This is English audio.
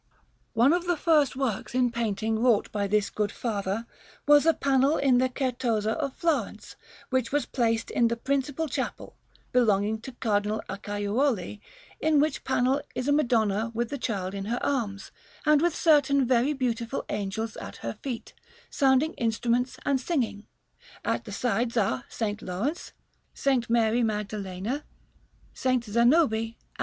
One of the first works in painting wrought by this good father was a panel in the Certosa of Florence, which was placed in the principal chapel (belonging to Cardinal Acciaiuoli); in which panel is a Madonna with the Child in her arms, and with certain very beautiful angels at her feet, sounding instruments and singing; at the sides are S. Laurence, S. Mary Magdalene, S. Zanobi, and S.